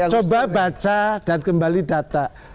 coba baca dan kembali data